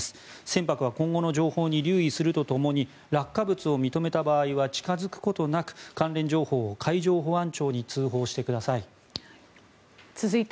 船舶は今後の情報に留意するとともに落下物を認めた場合は近付くことなく関連情報を海上保安庁に通報してください。